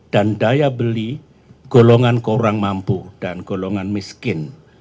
dan daya beli golongan kurang mampu dan golongan miskin